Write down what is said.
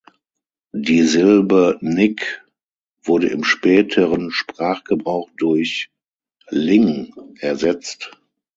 Die Silbe „-nik“ wurde im späteren Sprachgebrauch durch „-ling“ ersetzt.